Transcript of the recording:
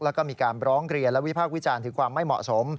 แล้วก็มีการร้องเรียนและวิพากษ์วิจารณ์ถึงความไม่เหมาะสม